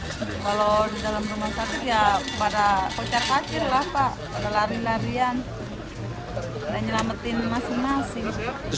saya pegang hape nyalain senter